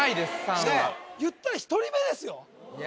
３は言ったら１人目ですよいや